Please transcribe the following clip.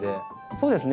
そうですね。